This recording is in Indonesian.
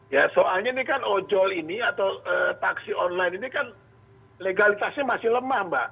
ya soalnya ini kan ojol ini atau taksi online ini kan legalitasnya masih lemah mbak